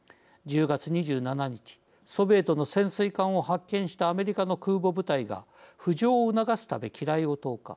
１０月２７日ソビエトの潜水艦を発見したアメリカの空母部隊が浮上を促すため機雷を投下。